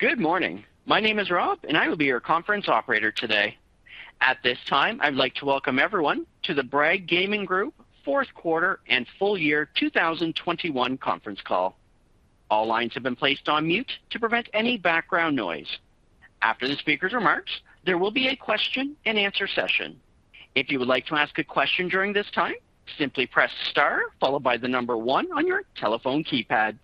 Good morning. My name is Rob, and I will be your conference operator today. At this time, I'd like to welcome everyone to the Bragg Gaming Group fourth quarter and full year 2021 conference call. All lines have been placed on mute to prevent any background noise. After the speaker's remarks, there will be a question-and-answer session. If you would like to ask a question during this time, simply press star followed by the number 1 on your telephone keypad.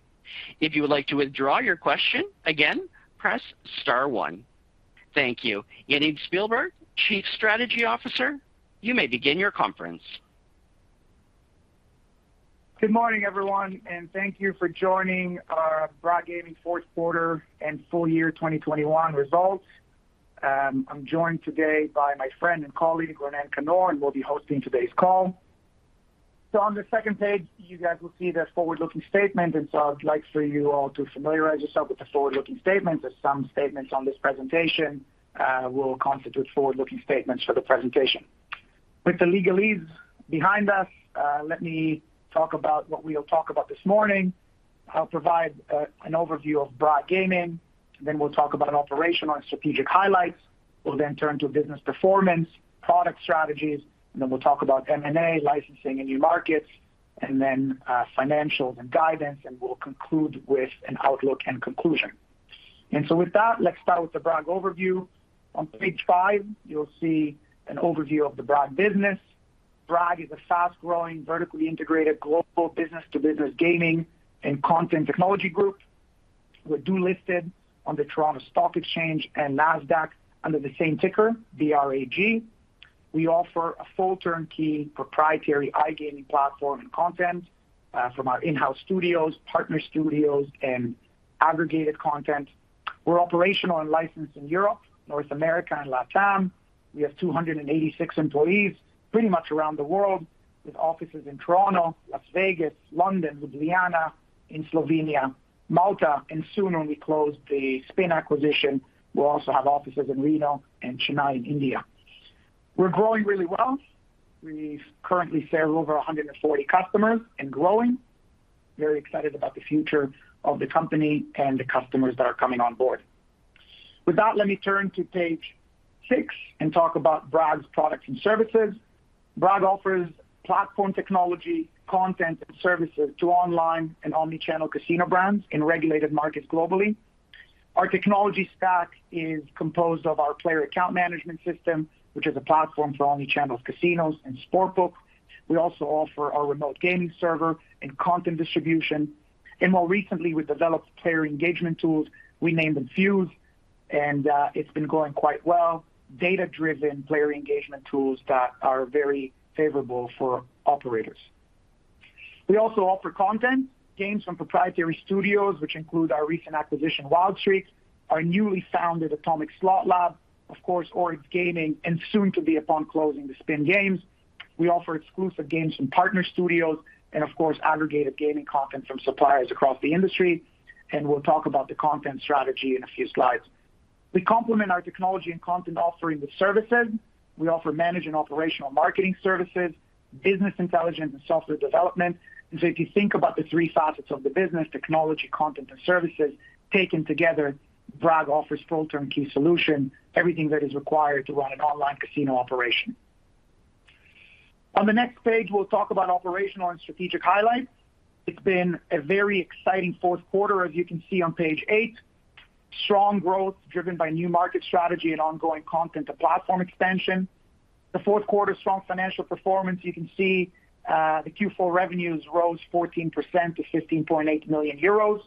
If you would like to withdraw your question, again, press star 1. Thank you. Yaniv Spielberg, Chief Strategy Officer, you may begin your conference. Good morning, everyone, and thank you for joining our Bragg Gaming fourth quarter and full year 2021 results. I'm joined today by my friend and colleague, Ronen Kannor, and we'll be hosting today's call. On the second page, you guys will see the forward-looking statement, and I'd like for you all to familiarize yourself with the forward-looking statement, as some statements on this presentation will constitute forward-looking statements for the presentation. With the legalese behind us, let me talk about what we'll talk about this morning. I'll provide an overview of Bragg Gaming, then we'll talk about operational and strategic highlights. We'll then turn to business performance, product strategies, and then we'll talk about M&A, licensing in new markets, and then financials and guidance, and we'll conclude with an outlook and conclusion. With that, let's start with the Bragg overview. On page five, you'll see an overview of the Bragg business. Bragg is a fast-growing, vertically integrated global business-to-business gaming and content technology group. We're dual listed on the Toronto Stock Exchange and Nasdaq under the same ticker, BRAG. We offer a full turnkey proprietary iGaming platform and content from our in-house studios, partner studios and aggregated content. We're operational and licensed in Europe, North America and LATAM. We have 286 employees pretty much around the world, with offices in Toronto, Las Vegas, London, Ljubljana in Slovenia, Malta, and soon, when we close the Spin acquisition, we'll also have offices in Reno and Chennai in India. We're growing really well. We currently serve over 140 customers and growing. We're very excited about the future of the company and the customers that are coming on board. With that, let me turn to page six and talk about Bragg's products and services. Bragg offers platform technology, content and services to online and omnichannel casino brands in regulated markets globally. Our technology stack is composed of our player account management system, which is a platform for omnichannel casinos and sport books. We also offer our remote gaming server and content distribution. More recently, we developed player engagement tools. We named them Fuze, and it's been going quite well, data-driven player engagement tools that are very favorable for operators. We also offer content, games from proprietary studios, which include our recent acquisition, Wild Streak, our newly founded Atomic Slot Lab, of course, Oryx Gaming, and soon to be upon closing the Spin Games. We offer exclusive games from partner studios and of course, aggregated gaming content from suppliers across the industry, and we'll talk about the content strategy in a few slides. We complement our technology and content offering with services. We offer managed and operational marketing services, business intelligence and software development. If you think about the three facets of the business, technology, content and services taken together, Bragg offers full turnkey solution, everything that is required to run an online casino operation. On the next page, we'll talk about operational and strategic highlights. It's been a very exciting fourth quarter, as you can see on page eight. Strong growth driven by new market strategy and ongoing content to platform extension. The fourth quarter strong financial performance, you can see, the Q4 revenues rose 14% to 15.8 million euros.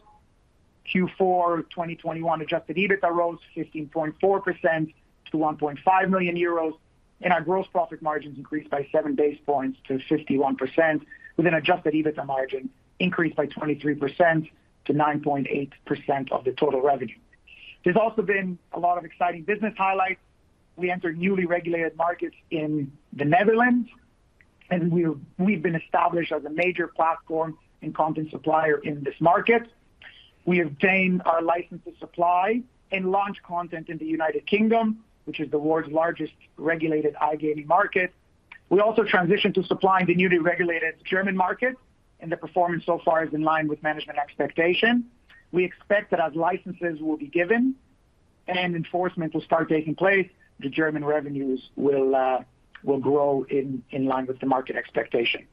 Q4 2021 adjusted EBITDA rose 15.4% to 1.5 million euros, and our gross profit margins increased by 7 basis points to 51%, with an adjusted EBITDA margin increased by 23% to 9.8% of the total revenue. There's also been a lot of exciting business highlights. We entered newly regulated markets in the Netherlands, and we've been established as a major platform and content supplier in this market. We obtained our license to supply and launch content in the United Kingdom, which is the world's largest regulated iGaming market. We also transitioned to supplying the newly regulated German market, and the performance so far is in line with management expectation. We expect that as licenses will be given and enforcement will start taking place, the German revenues will grow in line with the market expectation.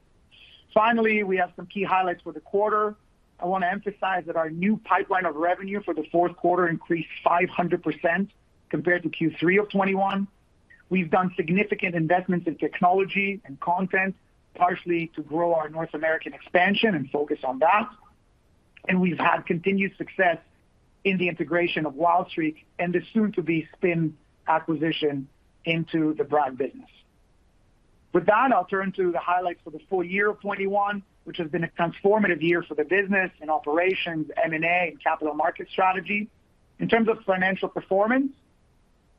Finally, we have some key highlights for the quarter. I wanna emphasize that our new pipeline of revenue for the fourth quarter increased 500% compared to Q3 of 2021. We've done significant investments in technology and content, partially to grow our North American expansion and focus on that. We've had continued success in the integration of Wild Streak and the soon to be Spin acquisition into the Bragg business. With that, I'll turn to the highlights for the full year of 2021, which has been a transformative year for the business in operations, M&A and capital market strategy. In terms of financial performance,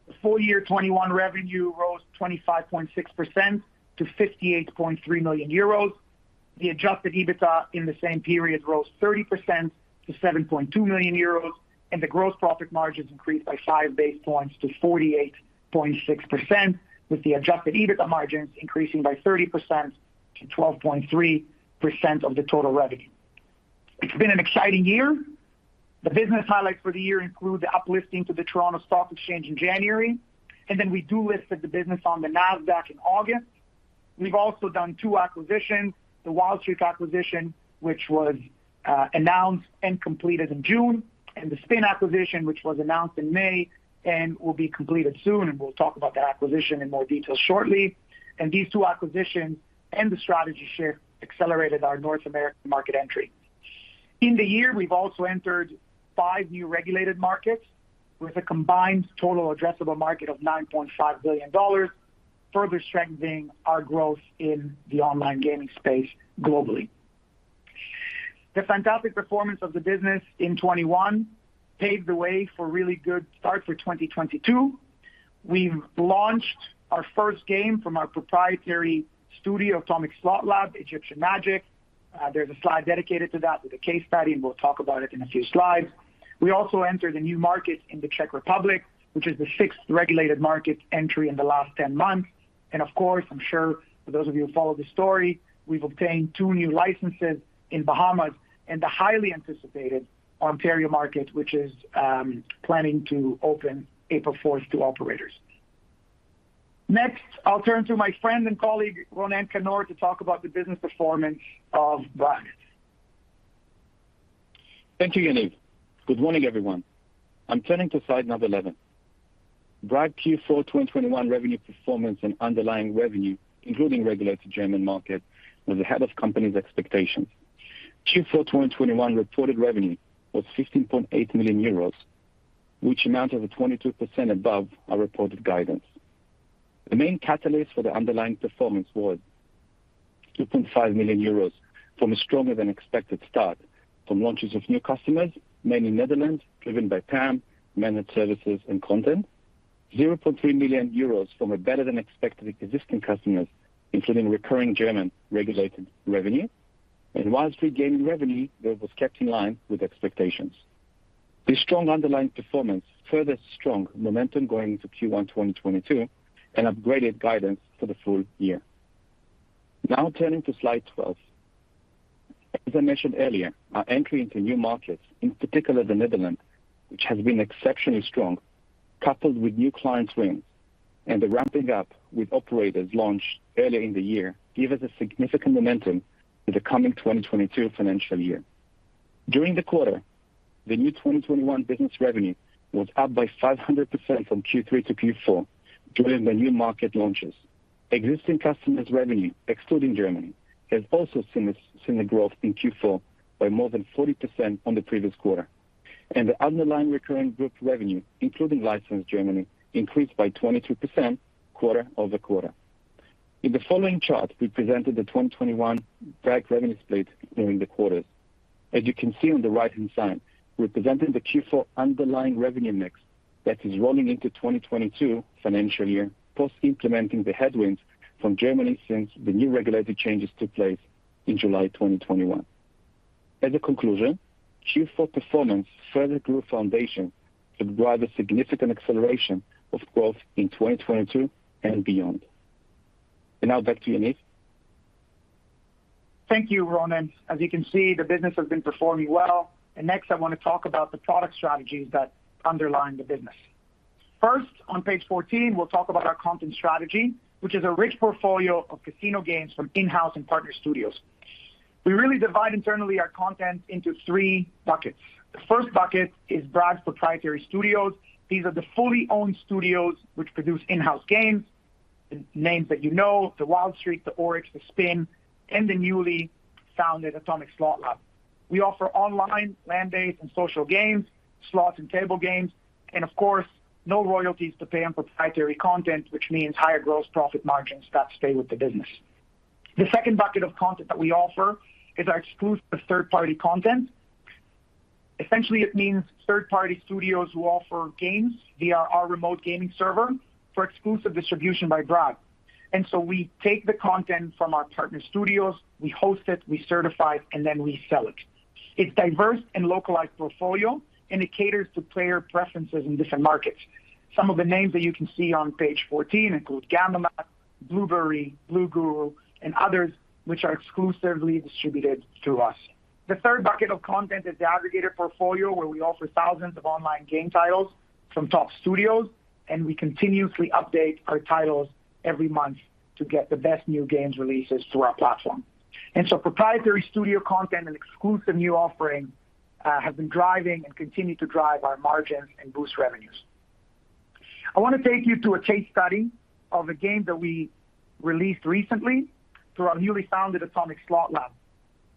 the full year 2021 revenue rose 25.6% to 58.3 million euros. The adjusted EBITDA in the same period rose 30% to 7.2 million euros, and the gross profit margins increased by 5 basis points to 48.6%, with the adjusted EBITDA margins increasing by 30% to 12.3% of the total revenue. It's been an exciting year. The business highlights for the year include the uplisting to the Toronto Stock Exchange in January, and then we dual listed the business on the Nasdaq in August. We've also done two acquisitions, the Wild Streak acquisition, which was announced and completed in June, and the Spin acquisition, which was announced in May and will be completed soon, and we'll talk about that acquisition in more detail shortly. These two acquisitions and the strategy shift accelerated our North American market entry. In the year, we've also entered five new regulated markets with a combined total addressable market of $9.5 billion, further strengthening our growth in the online gaming space globally. The fantastic performance of the business in 2021 paved the way for a really good start for 2022. We've launched our first game from our proprietary studio, Atomic Slot Lab, Egyptian Magic. There's a slide dedicated to that with a case study, and we'll talk about it in a few slides. We also entered a new market in the Czech Republic, which is the sixth regulated market entry in the last 10 months. Of course, I'm sure for those of you who follow the story, we've obtained two new licenses in Bahamas and the highly anticipated Ontario market, which is planning to open April 4 to operators. Next, I'll turn to my friend and colleague, Ronen Kannor, to talk about the business performance of Bragg. Thank you, Yaniv. Good morning, everyone. I'm turning to slide 11. Bragg Q4 2021 revenue performance and underlying revenue, including regulated German market, was ahead of company's expectations. Q4 2021 reported revenue was 15.8 million euros, which amounted to 22% above our reported guidance. The main catalyst for the underlying performance was 2.5 million euros from a stronger than expected start from launches of new customers, mainly Netherlands, driven by PAM, managed services, and content. 0.3 million euros from a better than expected existing customers, including recurring German regulated revenue. Wild Streak Gaming revenue that was kept in line with expectations. This strong underlying performance furthers strong momentum going into Q1 2022 and upgraded guidance for the full year. Now turning to slide 12. As I mentioned earlier, our entry into new markets, in particular the Netherlands, which has been exceptionally strong, coupled with new client wins and the ramping up with operators launched earlier in the year, give us a significant momentum in the coming 2022 financial year. During the quarter, the new 2021 business revenue was up by 500% from Q3 to Q4 during the new market launches. Existing customers revenue, excluding Germany, has also seen a growth in Q4 by more than 40% on the previous quarter. The underlying recurring group revenue, including licensed Germany, increased by 22% quarter over quarter. In the following chart, we presented the 2021 Bragg revenue split during the quarters. As you can see on the right-hand side, we're presenting the Q4 underlying revenue mix that is rolling into 2022 financial year, post-implementing the headwinds from Germany since the new regulatory changes took place in July 2021. As a conclusion, Q4 performance further grew foundation to drive a significant acceleration of growth in 2022 and beyond. Now back to Yaniv. Thank you, Ronen. As you can see, the business has been performing well. Next, I wanna talk about the product strategies that underlie the business. First, on page 14, we'll talk about our content strategy, which is a rich portfolio of casino games from in-house and partner studios. We really divide internally our content into three buckets. The first bucket is Bragg's proprietary studios. These are the fully owned studios which produce in-house games. Names that you know, the Wild Streak, the Oryx, the Spin, and the newly founded Atomic Slot Lab. We offer online, land-based, and social games, slots and table games, and of course, no royalties to pay on proprietary content, which means higher gross profit margins that stay with the business. The second bucket of content that we offer is our exclusive third-party content. Essentially, it means third-party studios who offer games via our remote gaming server for exclusive distribution by Bragg. We take the content from our partner studios, we host it, we certify it, and then we sell it. It's a diverse and localized portfolio, and it caters to player preferences in different markets. Some of the names that you can see on page 14 include GAMOMAT, Bluberi, Blue Guru, and others which are exclusively distributed through us. The third bucket of content is the aggregator portfolio, where we offer thousands of online game titles from top studios, and we continuously update our titles every month to get the best new games releases to our platform. Proprietary studio content and exclusive new offerings have been driving and continue to drive our margins and boost revenues. I wanna take you through a case study of a game that we released recently through our newly founded Atomic Slot Lab.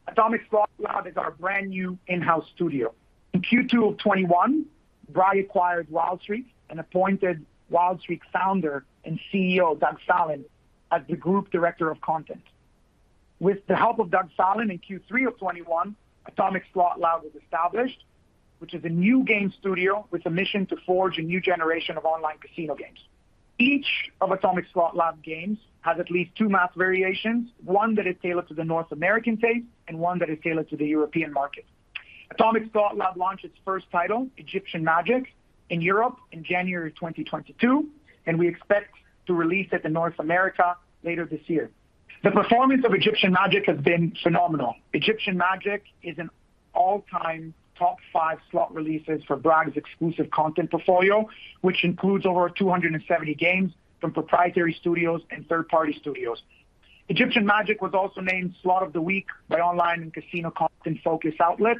Atomic Slot Lab is our brand-new in-house studio. In Q2 of 2021, Bragg acquired Wild Streak Gaming and appointed Wild Streak Gaming founder and CEO, Doug Fallon, as the Group Director of Content. With the help of Doug Fallon in Q3 of 2021, Atomic Slot Lab was established, which is a new game studio with a mission to forge a new generation of online casino games. Each of Atomic Slot Lab games has at least two math variations, one that is tailored to the North American taste and one that is tailored to the European market. Atomic Slot Lab launched its first title, Egyptian Magic, in Europe in January 2022, and we expect to release it in North America later this year. The performance of Egyptian Magic has been phenomenal. Egyptian Magic is an all-time top five slot releases for Bragg's exclusive content portfolio, which includes over 270 games from proprietary studios and third-party studios. Egyptian Magic was also named Slot of the Week by online and casino content-focused outlet,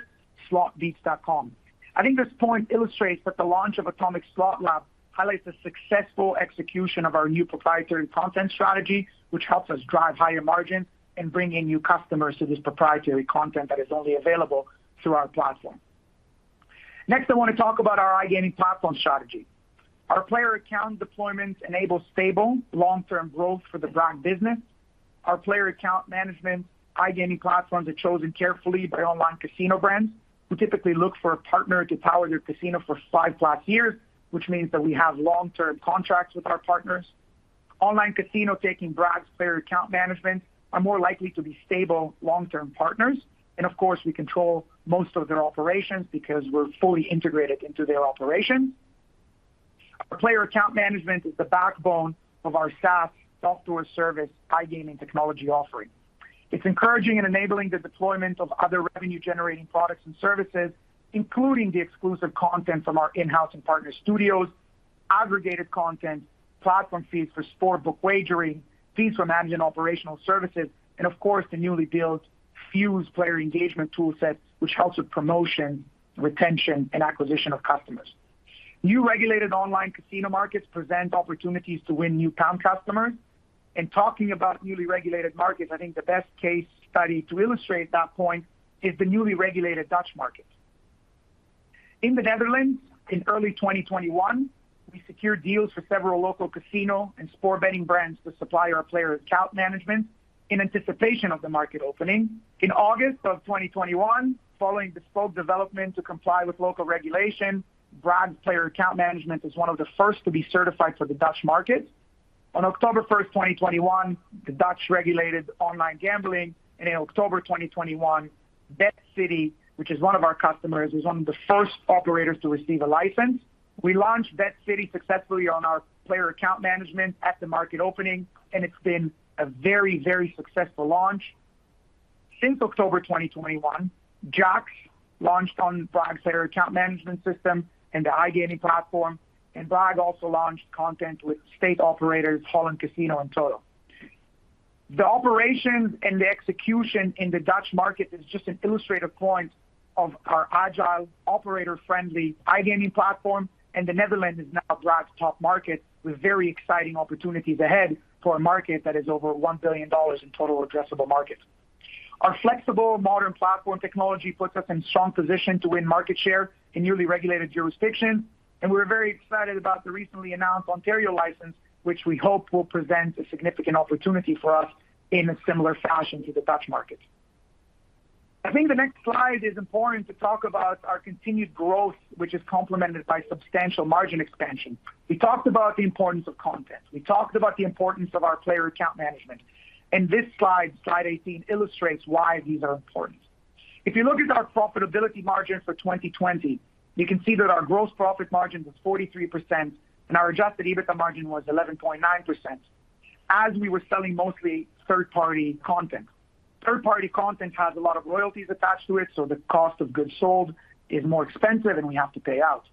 slotbeats.com. I think this point illustrates that the launch of Atomic Slot Lab highlights the successful execution of our new proprietary content strategy, which helps us drive higher margins and bring in new customers to this proprietary content that is only available through our platform. Next, I want to talk about our iGaming platform strategy. Our player account deployment enables stable long-term growth for the Bragg business. Our player account management iGaming platforms are chosen carefully by online casino brands, who typically look for a partner to power their casino for five plus years, which means that we have long-term contracts with our partners. Online casinos taking Bragg's player account management are more likely to be stable long-term partners. Of course, we control most of their operations because we're fully integrated into their operations. Our player account management is the backbone of our SaaS software service iGaming technology offering. It's encouraging and enabling the deployment of other revenue-generating products and services, including the exclusive content from our in-house and partner studios, aggregated content, platform fees for sportsbook wagering, fees from managing operational services, and of course, the newly built Fuze player engagement tool set, which helps with promotion, retention, and acquisition of customers. New regulated online casino markets present opportunities to win new account customers. Talking about newly regulated markets, I think the best case study to illustrate that point is the newly regulated Dutch market. In the Netherlands, in early 2021, we secured deals for several local casino and sport betting brands to supply our player account management in anticipation of the market opening. In August 2021, following bespoke development to comply with local regulation, Bragg's player account management was one of the first to be certified for the Dutch market. On October 1st, 2021, the Dutch regulated online gambling, and in October 2021, BetCity, which is one of our customers, was one of the first operators to receive a license. We launched BetCity successfully on our player account management at the market opening, and it's been a very, very successful launch. Since October 2021, JACKS launched on Bragg's player account management system and the iGaming platform, and Bragg also launched content with state operators Holland Casino and TOTO. The operations and the execution in the Dutch market is just an illustrative point of our agile, operator-friendly iGaming platform, and the Netherlands is now Bragg's top market with very exciting opportunities ahead for a market that is over $1 billion in total addressable market. Our flexible modern platform technology puts us in strong position to win market share in newly regulated jurisdictions, and we're very excited about the recently announced Ontario license, which we hope will present a significant opportunity for us in a similar fashion to the Dutch market. I think the next slide is important to talk about our continued growth, which is complemented by substantial margin expansion. We talked about the importance of content. We talked about the importance of our player account management. This slide 18, illustrates why these are important. If you look at our profitability margin for 2020, you can see that our gross profit margin was 43% and our adjusted EBITDA margin was 11.9% as we were selling mostly third-party content. Third-party content has a lot of royalties attached to it, so the cost of goods sold is more expensive, and we have to pay out.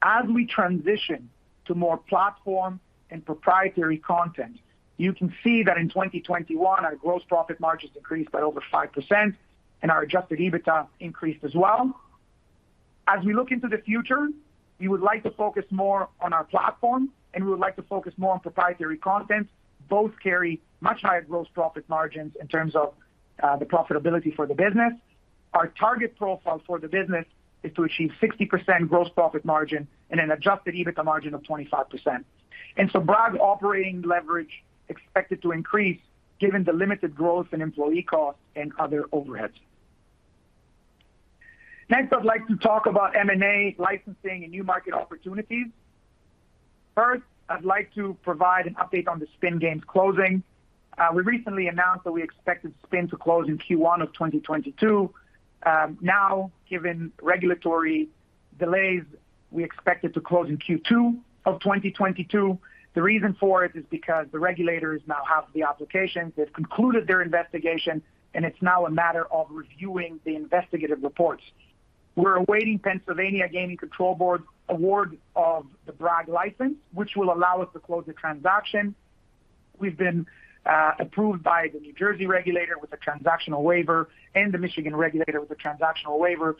As we transition to more platform and proprietary content, you can see that in 2021, our gross profit margins increased by over 5% and our adjusted EBITDA increased as well. As we look into the future, we would like to focus more on our platform, and we would like to focus more on proprietary content. Both carry much higher gross profit margins in terms of the profitability for the business. Our target profile for the business is to achieve 60% gross profit margin and an adjusted EBITDA margin of 25%. Bragg operating leverage expected to increase given the limited growth in employee costs and other overheads. Next, I'd like to talk about M&A, licensing, and new market opportunities. First, I'd like to provide an update on the Spin Games closing. We recently announced that we expected Spin to close in Q1 of 2022. Now given regulatory delays, we expect it to close in Q2 of 2022. The reason for it is because the regulators now have the applications. They've concluded their investigation, and it's now a matter of reviewing the investigative reports. We're awaiting Pennsylvania Gaming Control Board award of the Bragg license, which will allow us to close the transaction. We've been approved by the New Jersey regulator with a transactional waiver and the Michigan regulator with a transactional waiver.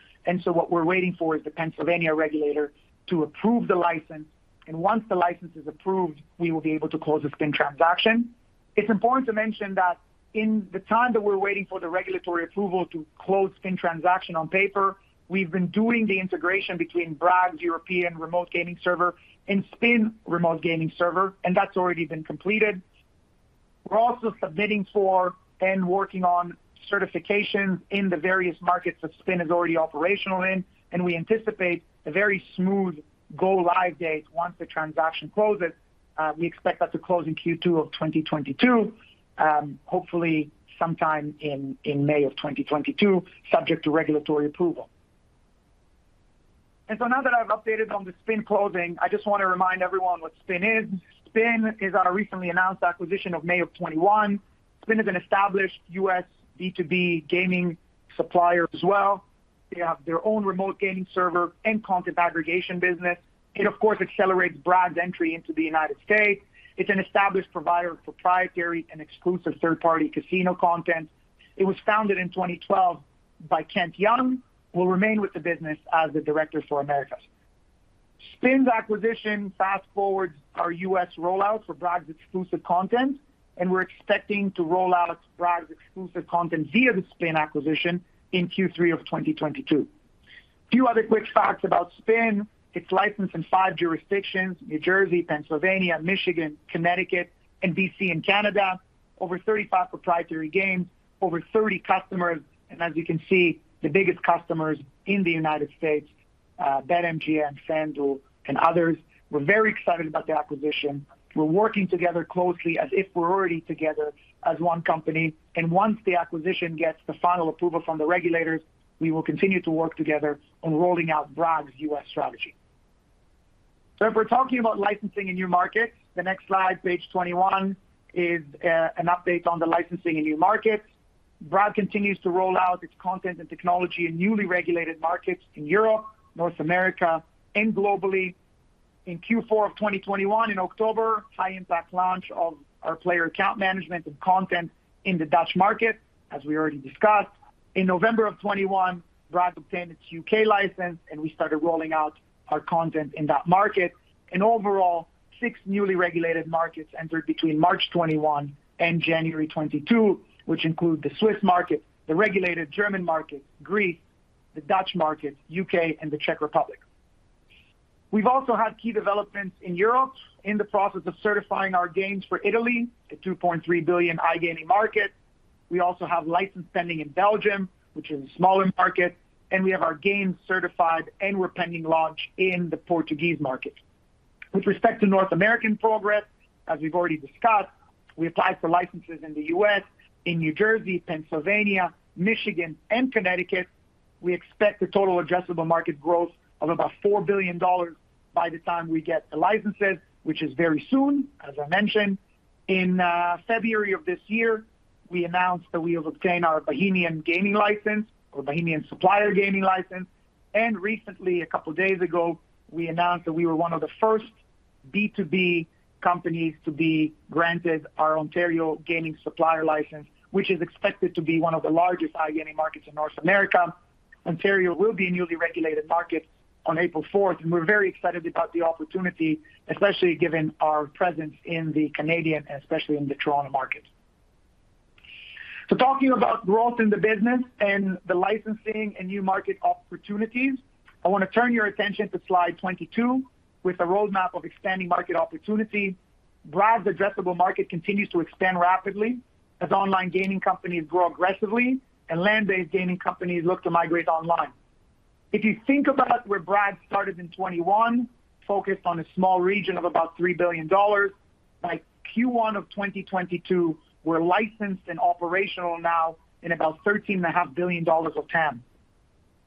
What we're waiting for is the Pennsylvania regulator to approve the license. Once the license is approved, we will be able to close the Spin transaction. It's important to mention that in the time that we're waiting for the regulatory approval to close Spin transaction on paper, we've been doing the integration between Bragg's European remote gaming server and Spin remote gaming server, and that's already been completed. We're also submitting for and working on certifications in the various markets that Spin is already operational in, and we anticipate a very smooth go-live date once the transaction closes. We expect that to close in Q2 of 2022, hopefully sometime in May of 2022, subject to regulatory approval. Now that I've updated on the Spin closing, I just wanna remind everyone what Spin is. Spin is our recently announced acquisition of May 2021. Spin is an established U.S. B2B gaming supplier as well. They have their own remote gaming server and content aggregation business. It of course accelerates Bragg's entry into the United States. It's an established provider of proprietary and exclusive third-party casino content. It was founded in 2012 by Kent Young, who will remain with the business as the Director for Americas. Spin's acquisition fast-forwards our U.S. rollout for Bragg's exclusive content, and we're expecting to roll out Bragg's exclusive content via the Spin acquisition in Q3 of 2022. Few other quick facts about Spin. It's licensed in five jurisdictions, New Jersey, Pennsylvania, Michigan, Connecticut, and BC in Canada. Over 35 proprietary games, over 30 customers, and as you can see, the biggest customers in the United States, BetMGM, FanDuel, and others. We're very excited about the acquisition. We're working together closely as if we're already together as one company. Once the acquisition gets the final approval from the regulators, we will continue to work together on rolling out Bragg's U.S. strategy. If we're talking about licensing in new markets, the next slide, page 21, is an update on the licensing in new markets. Bragg continues to roll out its content and technology in newly regulated markets in Europe, North America, and globally. In Q4 of 2021, in October, high impact launch of our player account management and content in the Dutch market, as we already discussed. In November 2021, Bragg obtained its U.K. license, and we started rolling out our content in that market. Overall, six newly regulated markets entered between March 2021 and January 2022, which include the Swiss market, the regulated German market, Greece, the Dutch market, U.K., and the Czech Republic. We've also had key developments in Europe in the process of certifying our games for Italy, a 2.3 billion iGaming market. We also have license pending in Belgium, which is a smaller market, and we have our games certified and we're pending launch in the Portuguese market. With respect to North American progress, as we've already discussed, we applied for licenses in the U.S. in New Jersey, Pennsylvania, Michigan, and Connecticut. We expect a total addressable market growth of about $4 billion by the time we get the licenses, which is very soon, as I mentioned. In February of this year, we announced that we have obtained our Bahamian gaming license or Bahamian supplier gaming license. Recently, a couple days ago, we announced that we were one of the first B2B companies to be granted our Ontario gaming supplier license, which is expected to be one of the largest iGaming markets in North America. Ontario will be a newly regulated market on April 4th, and we're very excited about the opportunity, especially given our presence in Canada and especially in the Toronto market. Talking about growth in the business and the licensing and new market opportunities, I wanna turn your attention to slide 22 with a roadmap of expanding market opportunity. Bragg's addressable market continues to expand rapidly as online gaming companies grow aggressively and land-based gaming companies look to migrate online. If you think about where Bragg started in 2021, focused on a small region of about $3 billion, by Q1 of 2022, we're licensed and operational now in about $13.5 billion of TAM.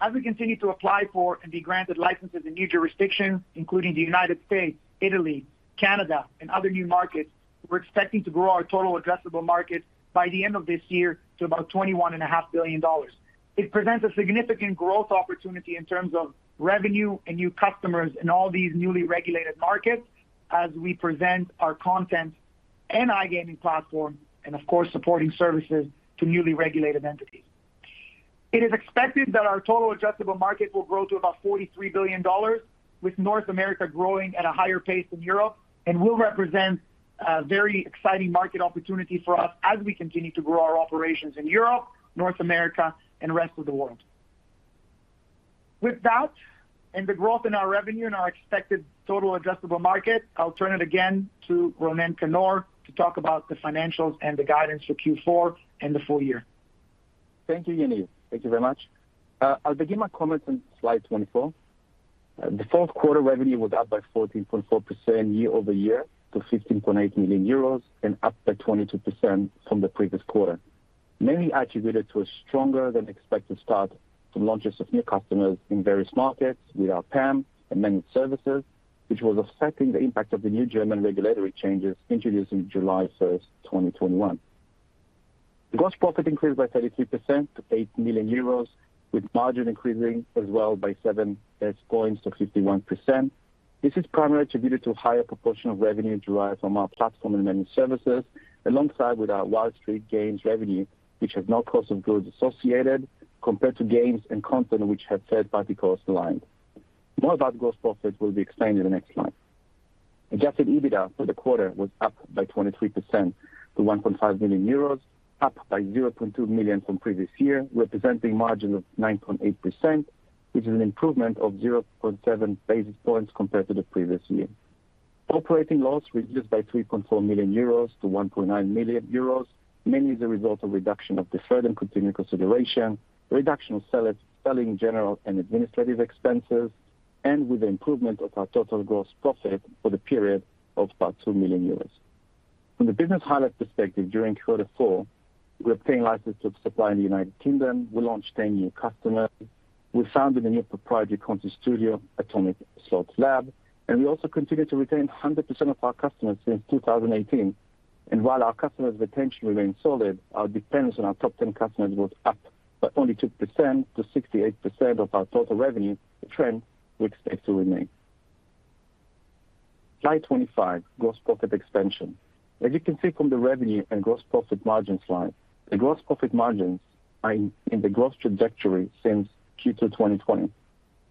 As we continue to apply for and be granted licenses in new jurisdictions, including the United States, Italy, Canada, and other new markets, we're expecting to grow our total addressable market by the end of this year to about $21.5 billion. It presents a significant growth opportunity in terms of revenue and new customers in all these newly regulated markets as we present our content and iGaming platform and of course, supporting services to newly regulated entities. It is expected that our total addressable market will grow to about $43 billion, with North America growing at a higher pace than Europe, and will represent a very exciting market opportunity for us as we continue to grow our operations in Europe, North America, and rest of the world. With that and the growth in our revenue and our expected total addressable market, I'll turn it again to Ronen Kannor to talk about the financials and the guidance for Q4 and the full year. Thank you, Yaniv. Thank you very much. I'll begin my comments on slide 24. The fourth quarter revenue was up by 14.4% year-over-year to 15.8 million euros and up by 22% from the previous quarter, mainly attributed to a stronger than expected start from launches of new customers in various markets with our PAM and managed services, which was offsetting the impact of the new German regulatory changes introduced in July 1st, 2021. The gross profit increased by 32% to 8 million euros, with margin increasing as well by 7 basis points to 51%. This is primarily attributed to a higher proportion of revenue derived from our platform and managed services, alongside with our Wild Streak Gaming revenue, which have no cost of goods associated, compared to games and content which have third-party cost aligned. More about gross profits will be explained in the next slide. Adjusted EBITDA for the quarter was up by 23% to 1.5 million euros, up by 0.2 million from previous year, representing margin of 9.8%, which is an improvement of 0.7 basis points compared to the previous year. Operating loss reduced by 3.4-1.9 million euros, mainly as a result of reduction of deferred and contingent consideration, reduction of selling, general and administrative expenses, and with the improvement of our total gross profit for the period of about 2 million euros. From the business highlights perspective during quarter four, we obtained license to supply in the United Kingdom. We launched 10 new customers. We founded a new proprietary content studio, Atomic Slot Lab, and we also continue to retain 100% of our customers since 2018. While our customers retention remains solid, our dependence on our top 10 customers was up by only 2% to 68% of our total revenue, a trend we expect to remain. Slide 25, gross profit expansion. As you can see from the revenue and gross profit margin slide, the gross profit margins are in the growth trajectory since Q2 2020,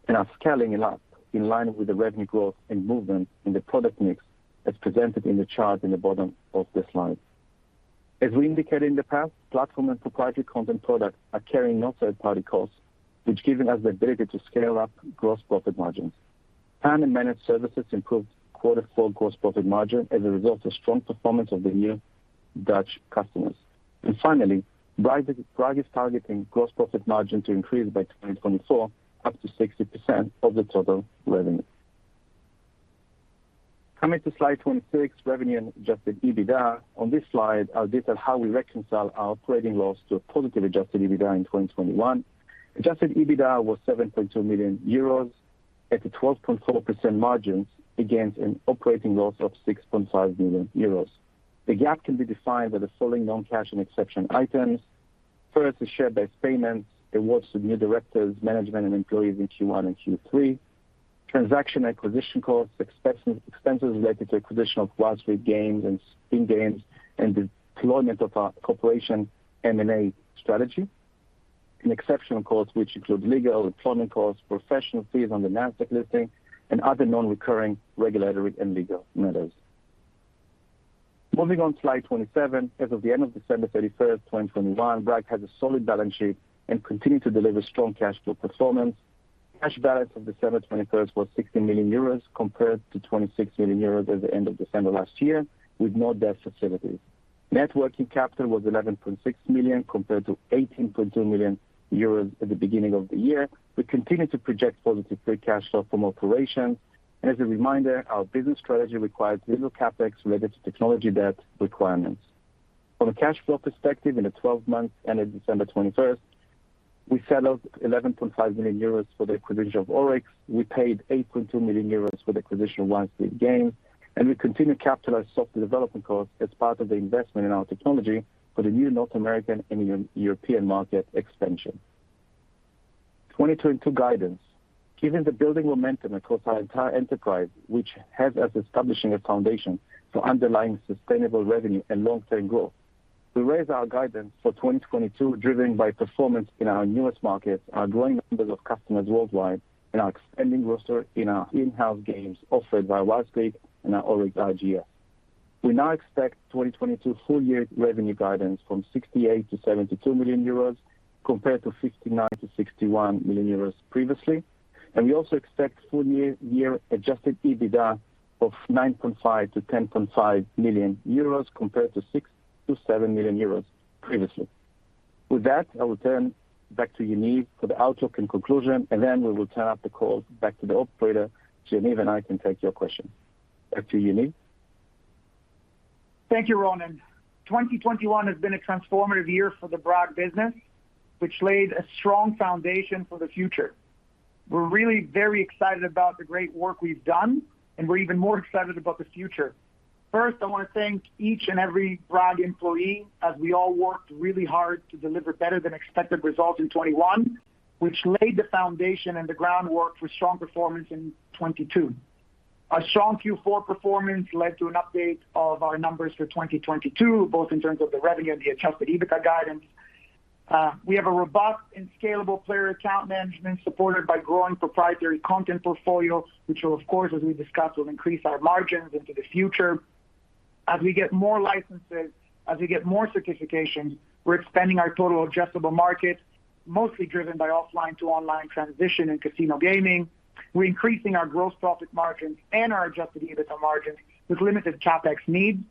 and are scaling it up in line with the revenue growth and movement in the product mix as presented in the chart in the bottom of this slide. As we indicated in the past, platform and proprietary content products are carrying no third party costs, which giving us the ability to scale up gross profit margins. Managed services improved quarter four gross profit margin as a result of strong performance of the new Dutch customers. Finally, Bragg is targeting gross profit margin to increase by 2024 up to 60% of the total revenue. Coming to slide 26, revenue and adjusted EBITDA. On this slide, I'll detail how we reconcile our operating loss to a positive adjusted EBITDA in 2021. Adjusted EBITDA was 7.2 million euros at the 12.4% margins against an operating loss of 6.5 million euros. The gap can be defined by the following non-cash and exception items. First is share-based payments, awards to new directors, management and employees in Q1 and Q3. Transaction acquisition costs, expenses related to acquisition of Wild Streak Gaming and Spin Games, and deployment of our corporate M&A strategy. Exceptional costs, which include legal, deployment costs, professional fees on the Nasdaq listing and other non-recurring regulatory and legal matters. Moving on slide 27. As of the end of December 31st, 2021, BRAG has a solid balance sheet and continued to deliver strong cash flow performance. Cash balance of December 31st was 60 million euros compared to 26 million euros at the end of December last year, with more debt facilities. Net working capital was 11.6 million compared to 18.2 million euros at the beginning of the year. We continue to project positive free cash flow from operations. As a reminder, our business strategy requires little CapEx related to technology debt requirements. From a cash flow perspective, in the 12 months ended December 31st, we settled 11.5 million euros for the acquisition of Oryx. We paid 8.2 million euros for the acquisition of Wild Streak Gaming, and we continued to capitalize software development costs as part of the investment in our technology for the new North American and European market expansion. 2022 guidance. Given the building momentum across our entire enterprise, which has us establishing a foundation for underlying sustainable revenue and long-term growth, we raise our guidance for 2022, driven by performance in our newest markets, our growing numbers of customers worldwide, and our expanding roster in our in-house games offered by Wild Streak Gaming and our ORYX Gaming. We now expect 2022 full year revenue guidance from 68-72 million euros, compared to 59-61 million euros previously. We also expect full year adjusted EBITDA of 9.5-10.5 million euros compared to 6-7 million euros previously. With that, I will turn back to Yaniv for the outlook and conclusion, and then we will turn up the call back to the operator so Yaniv and I can take your questions. Back to you, Yaniv. Thank you, Ronen. 2021 has been a transformative year for the BRAG business, which laid a strong foundation for the future. We're really very excited about the great work we've done, and we're even more excited about the future. First, I want to thank each and every BRAG employee as we all worked really hard to deliver better than expected results in 2021, which laid the foundation and the groundwork for strong performance in 2022. Our strong Q4 performance led to an update of our numbers for 2022, both in terms of the revenue and the adjusted EBITDA guidance. We have a robust and scalable player account management supported by growing proprietary content portfolio, which will of course, as we discussed, will increase our margins into the future. As we get more licenses, as we get more certifications, we're expanding our total addressable market, mostly driven by offline to online transition in casino gaming. We're increasing our gross profit margins and our adjusted EBITDA margins with limited CapEx needs,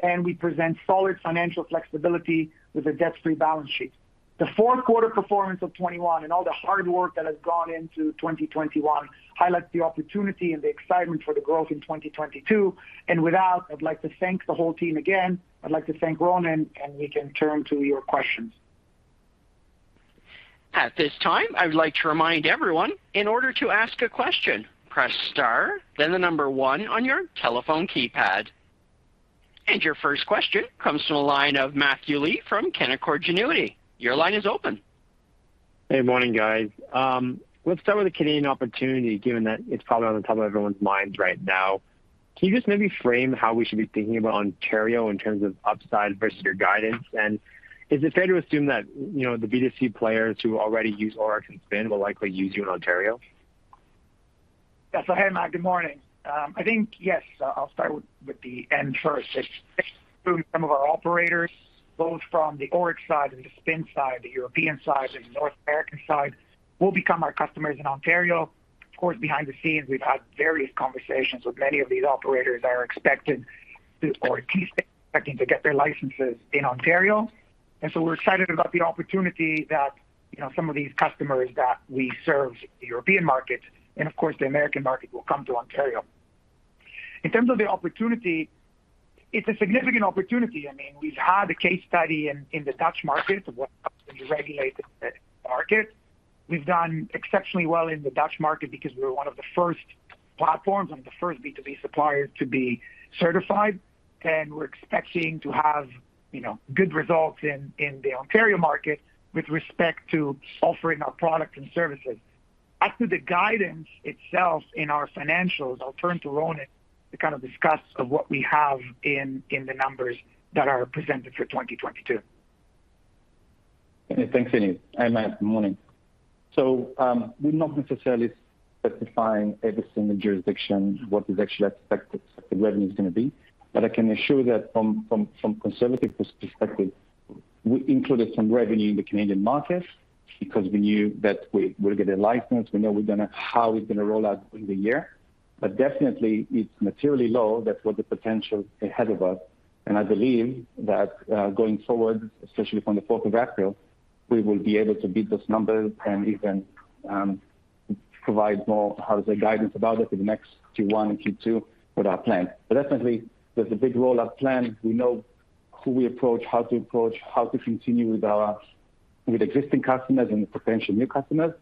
and we present solid financial flexibility with a debt-free balance sheet. The fourth quarter performance of 2021 and all the hard work that has gone into 2021 highlights the opportunity and the excitement for the growth in 2022. With that, I'd like to thank the whole team again. I'd like to thank Ronen, and we can turn to your questions. At this time, I would like to remind everyone, in order to ask a question, press star then the 1 on your telephone keypad. Your first question comes from the line of Matthew Lee from Canaccord Genuity. Your line is open. Hey, morning guys. Let's start with the Canadian opportunity, given that it's probably on the top of everyone's minds right now. Can you just maybe frame how we should be thinking about Ontario in terms of upside versus your guidance? Is it fair to assume that, you know, the B2C players who already use Oryx and Spin will likely use you in Ontario? Yeah. Hey Matt, good morning. I think yes, I'll start with the end first. We're expecting some of our operators, both from the Oryx side and the Spin side, the European side and the North American side, will become our customers in Ontario. Of course, behind the scenes we've had various conversations with many of these operators that are expected to, or at least expecting to get their licenses in Ontario. We're excited about the opportunity that, you know, some of these customers that we serve the European market, and of course, the American market will come to Ontario. In terms of the opportunity, it's a significant opportunity. I mean, we've had a case study in the Dutch market of what happens when you regulate the market. We've done exceptionally well in the Dutch market because we were one of the first platforms and the first B2B supplier to be certified, and we're expecting to have, you know, good results in the Ontario market with respect to offering our product and services. As to the guidance itself in our financials, I'll turn to Ronen to kind of discuss of what we have in the numbers that are presented for 2022. Thanks, Yaniv. Hi, Matt. Good morning. We're not necessarily specifying every single jurisdiction what is actually expected revenue is gonna be. I can assure you that from a conservative perspective, we included some revenue in the Canadian market because we knew that we will get a license. We know how it's gonna roll out in the year. Definitely it's materially low. That's the potential ahead of us, and I believe that going forward, especially from the 4th April, we will be able to beat this number and even provide more, how to say, guidance about it for the next Q1 and Q2 with our plan. Definitely, there's a big roll-out plan. We know who we approach, how to approach, how to continue with our existing customers and potential new customers.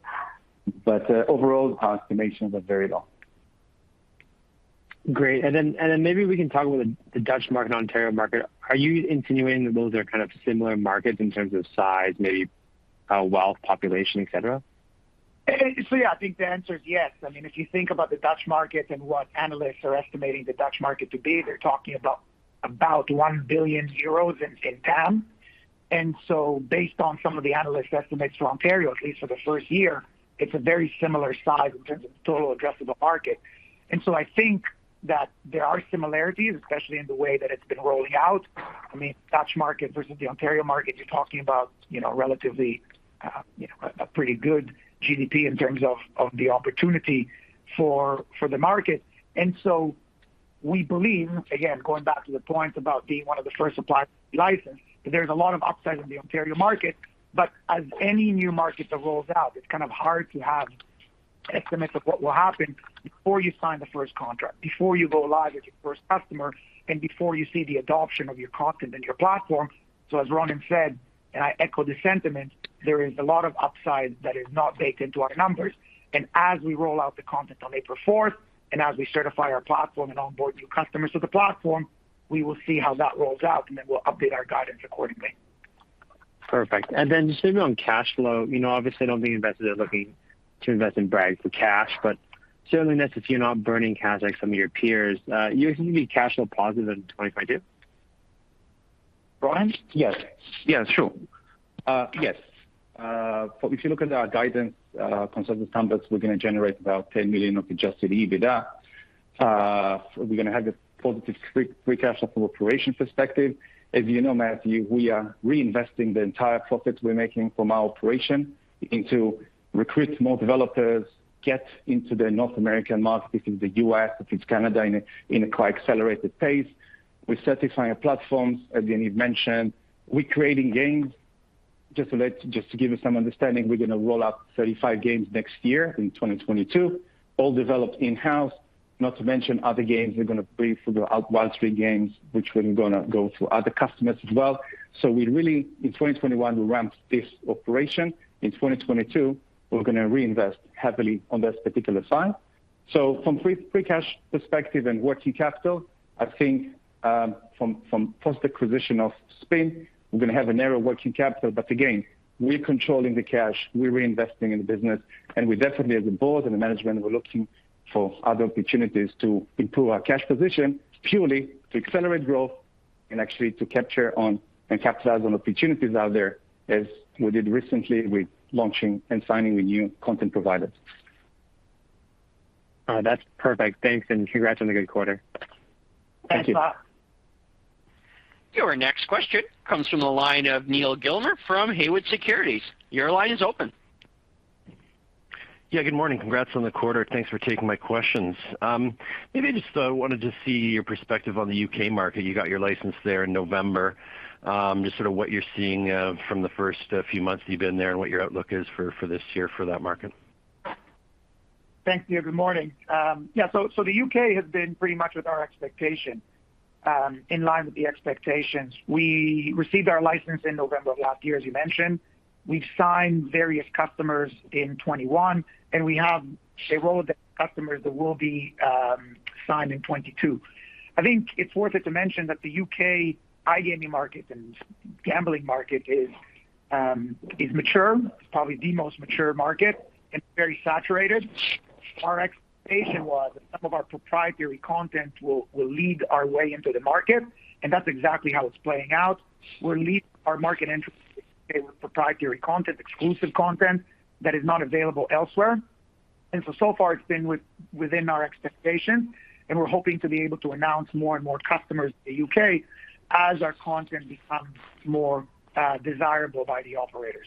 Overall, our estimations are very low. Great. Maybe we can talk about the Dutch market, Ontario market. Are you insinuating that those are kind of similar markets in terms of size, maybe, wealth, population, et cetera? Yeah. I think the answer is yes. I mean, if you think about the Dutch market and what analysts are estimating the Dutch market to be, they're talking about 1 billion euros in TAM. Based on some of the analysts' estimates for Ontario, at least for the first year, it's a very similar size in terms of total addressable market. I think that there are similarities, especially in the way that it's been rolling out. I mean, Dutch market versus the Ontario market, you're talking about, you know, relatively, you know, a pretty good GDP in terms of the opportunity for the market. We believe, again, going back to the point about being one of the first suppliers licensed, that there's a lot of upside in the Ontario market. As any new market that rolls out, it's kind of hard to have estimates of what will happen before you sign the first contract, before you go live with your first customer, and before you see the adoption of your content and your platform. As Ronen said, and I echo the sentiment, there is a lot of upside that is not baked into our numbers. As we roll out the content on April 4th, and as we certify our platform and onboard new customers to the platform, we will see how that rolls out, and then we'll update our guidance accordingly. Perfect. Then just maybe on cash flow, you know, obviously I don't think investors are looking to invest in Bragg for cash, but certainly necessary you're not burning cash like some of your peers. You're gonna be cash flow positive in 2022? Ronen? Yes. Yeah, sure. Yes. If you look at our guidance, conservative standards, we're gonna generate about 10 million of adjusted EBITDA. We're gonna have a positive free cash flow from operation perspective. As you know, Matthew, we are reinvesting the entire profit we're making from our operation into recruit more developers, get into the North American market, if it's the U.S., if it's Canada, in a quite accelerated pace. We're certifying our platforms, as Yaniv mentioned. We're creating games. Just to give you some understanding, we're gonna roll out 35 games next year in 2022, all developed in-house. Not to mention other games, we're gonna pay for the Wild Streak games, which we're gonna go to other customers as well. We really ramped this operation in 2021. In 2022, we're gonna reinvest heavily on this particular side. From free cash perspective and working capital, I think, from post-acquisition of Spin, we're gonna have a narrow working capital, but again, we're controlling the cash. We're reinvesting in the business. We definitely, as a board and the management, we're looking for other opportunities to improve our cash position purely to accelerate growth and actually to capture and capitalize on opportunities out there, as we did recently with launching and signing with new content providers. All right. That's perfect. Thanks, and congrats on the good quarter. Thank you. Thanks a lot. Your next question comes from the line of Neal Gilmer from Haywood Securities. Your line is open. Yeah, good morning. Congrats on the quarter. Thanks for taking my questions. Maybe I just wanted to see your perspective on the U.K. market. You got your license there in November. Just sort of what you're seeing from the first few months that you've been there and what your outlook is for this year for that market. Thanks, Neal. Good morning. The U.K. has been pretty much in line with our expectations. We received our license in November of last year, as you mentioned. We've signed various customers in 2021, and we have a row of customers that will be signed in 2022. I think it's worth it to mention that the U.K. iGaming market and gambling market is mature. It's probably the most mature market and very saturated. Our expectation was that some of our proprietary content will lead our way into the market, and that's exactly how it's playing out. We're leading our market entry with proprietary content, exclusive content that is not available elsewhere. So far it's been within our expectation, and we're hoping to be able to announce more and more customers in the U.K. as our content becomes more desirable by the operators.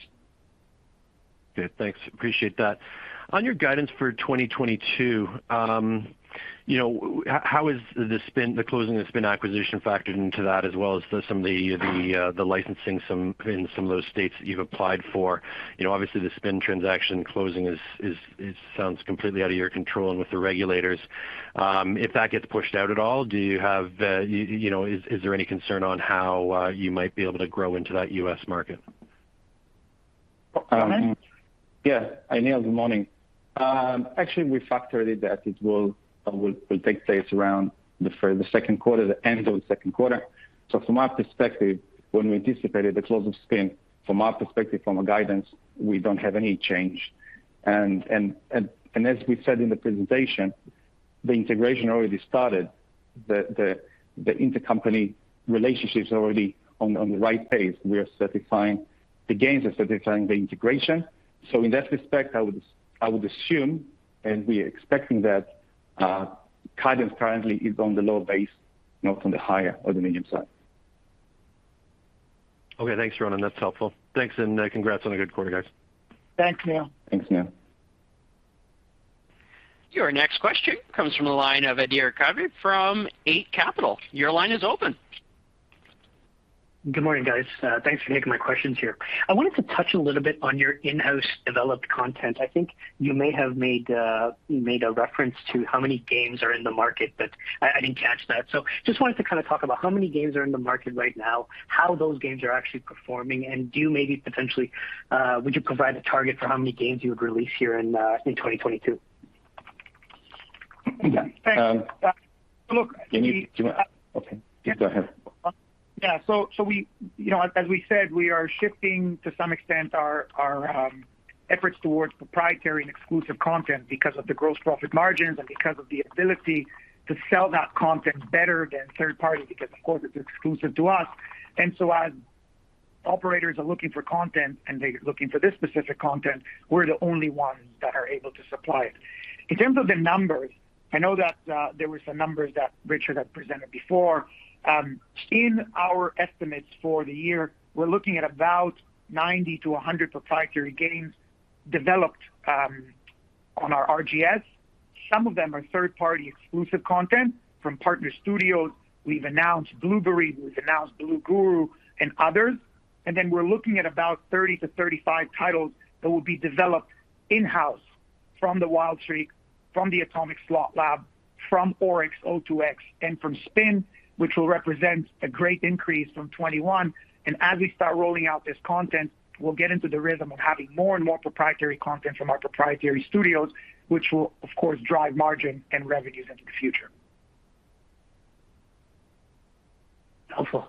Good. Thanks. Appreciate that. On your guidance for 2022, how is the closing of Spin acquisition factored into that as well as some of the licensing in some of those states that you've applied for. Obviously the Spin transaction closing sounds completely out of your control and with the regulators. If that gets pushed out at all, is there any concern on how you might be able to grow into that U.S. market? Ronen? Yeah. Hi Neal, good morning. Actually, we factored it that it will take place around the end of the second quarter. From our perspective, when we anticipated the close of Spin, from our perspective, from a guidance, we don't have any change. As we said in the presentation, the integration already started. The intercompany relationship's already on the right pace. We are certifying. The games are certifying the integration. In that respect, I would assume, and we're expecting that guidance currently is on the lower base, not on the higher or the medium side. Okay, thanks, Ronen. That's helpful. Thanks, and congrats on a good quarter, guys. Thanks, Neal. Thanks, Neal. Your next question comes from the line of Adhir Kadve from Eight Capital. Your line is open. Good morning, guys. Thanks for taking my questions here. I wanted to touch a little bit on your in-house developed content. I think you may have made you made a reference to how many games are in the market, but I didn't catch that. Just wanted to kind of talk about how many games are in the market right now, how those games are actually performing, and do you maybe potentially would you provide a target for how many games you would release here in in 2022? Yeah. Thanks. Look, Okay. You go ahead. Yeah. We are shifting to some extent our efforts towards proprietary and exclusive content because of the gross profit margins and because of the ability to sell that content better than third-party, because of course it's exclusive to us. As operators are looking for content, and they're looking for this specific content, we're the only ones that are able to supply it. In terms of the numbers, I know that there was some numbers that Richard had presented before. In our estimates for the year, we're looking at about 90-100 proprietary games developed on our RGS. Some of them are third-party exclusive content from partner studios. We've announced Bluberi, we've announced Blue Guru and others. We're looking at about 30-35 titles that will be developed in-house from the Wild Streak, from the Atomic Slot Lab, from ORYX Hub, and from Spin, which will represent a great increase from 21. As we start rolling out this content, we'll get into the rhythm of having more and more proprietary content from our proprietary studios, which will of course drive margin and revenues into the future. Helpful.